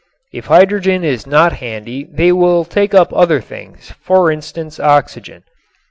If hydrogen is not handy they will take up other things, for instance oxygen.